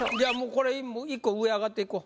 これ１個上上がっていこう。